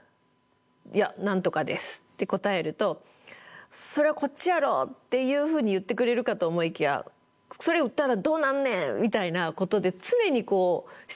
「いや何とかです」って答えると「それはこっちやろ！」っていうふうに言ってくれるかと思いきや「それ打ったらどうなんねん？」みたいなことで常にこう質問が来る。